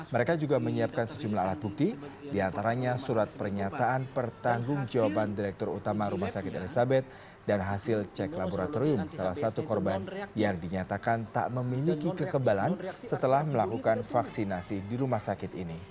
mereka juga menyiapkan sejumlah alat bukti diantaranya surat pernyataan pertanggung jawaban direktur utama rumah sakit elizabeth dan hasil cek laboratorium salah satu korban yang dinyatakan tak memiliki kekebalan setelah melakukan vaksinasi di rumah sakit ini